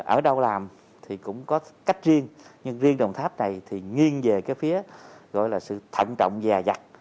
ở đâu làm thì cũng có cách riêng nhưng riêng đồng tháp này thì nghiêng về cái phía gọi là sự thận trọng dè dặt